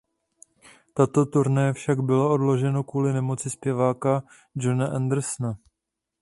Toto turné však bylo odloženo kvůli nemoci zpěváka Jona Andersona.